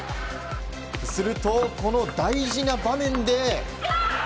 すると、この大事な場面で。